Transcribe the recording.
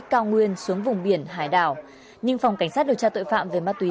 cao nguyên xuống vùng biển hải đảo nhưng phòng cảnh sát điều tra tội phạm về ma túy